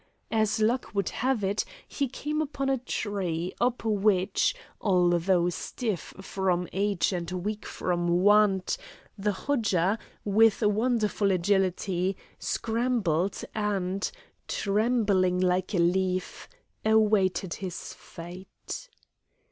As luck would have it he came upon a tree, up which, although stiff from age and weak from want, the Hodja, with wonderful agility, scrambled and, trembling like a leaf, awaited his fate.